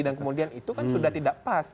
dan kemudian itu kan sudah tidak pas